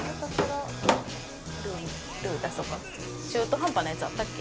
中途半端なやつあったっけ？